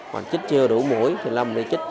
hoặc trích chưa đủ mũi thì lo mà đi trích